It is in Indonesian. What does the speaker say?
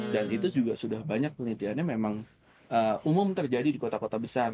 dan itu juga sudah banyak penelitiannya memang umum terjadi di kota kota besar